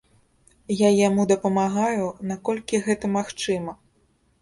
Я яму дапамагаю, наколькі гэта магчыма.